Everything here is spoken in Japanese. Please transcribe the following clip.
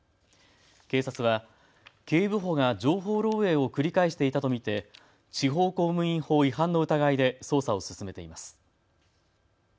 警察は警部補が情報漏えいを繰り返していたと見て地方公務員法違反の疑いで捜査を進めています。